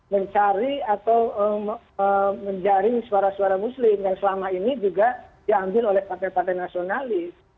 mencari atau menjaring suara suara muslim yang selama ini juga diambil oleh partai partai nasionalis